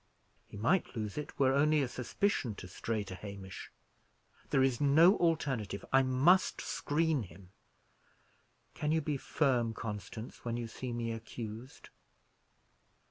He might lose it were only suspicion to stray to Hamish. There is no alternative. I must screen him. Can you be firm, Constance, when you see me accused?"